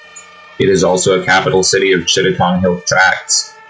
It is also a Capital city of Chittagong Hill Tracts.